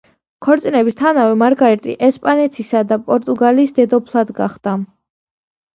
ქორწინების თანავე მარგარეტი ესპანეთისა და პორტუგალიის დედოფლად გახდა.